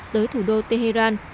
tới thủ đô tehran